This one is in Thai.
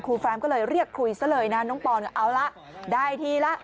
แฟมก็เลยเรียกคุยซะเลยนะน้องปอนเอาละได้ทีละ